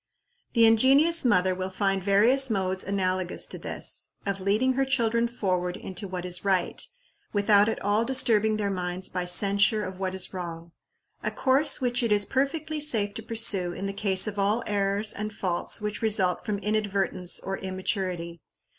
The ingenious mother will find various modes analogous to this, of leading her children forward into what is right, without at all disturbing their minds by censure of what is wrong a course which it is perfectly safe to pursue in the case of all errors and faults which result from inadvertence or immaturity.